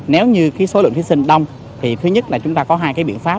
nếu như số lượng thí sinh đông thì thứ nhất là chúng ta có hai cái biện pháp